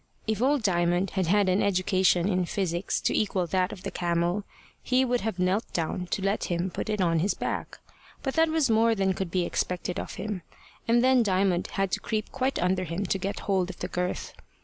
If old Diamond had had an education in physics to equal that of the camel, he would have knelt down to let him put it on his back, but that was more than could be expected of him, and then Diamond had to creep quite under him to get hold of the girth.